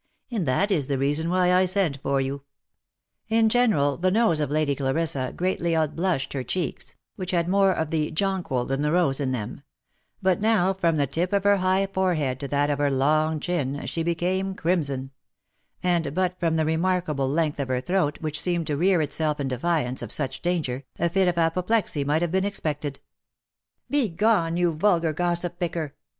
And that is the reason why I sent for you." In general the nose of Lady Clarissa greatly outblushed her cheeks, which had more of the jonquil than the rose in them ; but now, from the tip of her high forehead, to that of her long chin, she became crimson ;^3Jid but from the remarkable length of her throat, which seemed to^ear itself in defiance of such danger, a fit of apoplexy might have been expected. il Begone ! you vulgar gossip picker